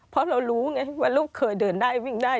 เพราะเรารู้ไงว่าลูกเคยเดินได้วิ่งได้